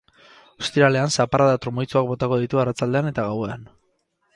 Ostiralean zaparrada trumoitsuak botako ditu arratsaldean eta gauean.